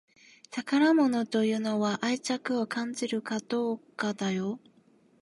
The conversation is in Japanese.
宝物というのは愛着を感じるかどうかだよ